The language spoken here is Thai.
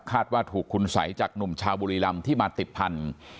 ว่าถูกคุณสัยจากหนุ่มชาวบุรีรำที่มาติดพันธุ์